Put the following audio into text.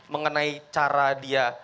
mengenai cara dia